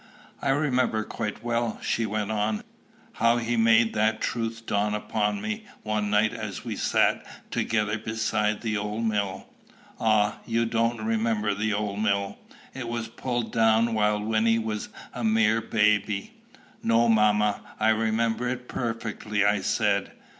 "I remember quite well," she went on, "how he made that truth dawn upon me one night as we sat together beside the old mill. Ah, you don't remember the old mill! it was pulled down while Wynnie was a mere baby." "No, mamma; I remember it perfectly," I said.